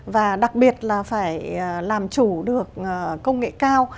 và đặc biệt là phải làm chủ được công nghệ cao